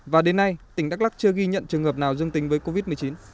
và đến nay tỉnh đắk lắc chưa ghi nhận trường hợp nào dương tính với covid một mươi chín